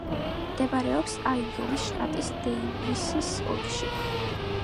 მდებარეობს აიოვის შტატის დეივისის ოლქში.